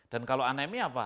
dan kalau anemi apa